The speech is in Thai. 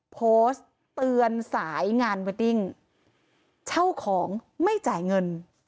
โพสต์เตือนสายงานเวดดิ้งเช่าของไม่จ่ายเงิน